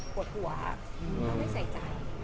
ต้องไม่ใส่ใจ